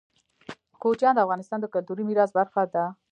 کوچیان د افغانستان د کلتوري میراث برخه ده.